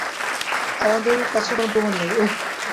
আমাদের কাছে কোন প্রমাণ নেই, ওহ!